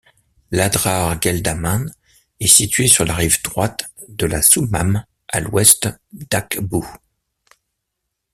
L'Adrar Gueldaman est situé sur la rive droite de la Soummam à l'Ouest d'Akbou.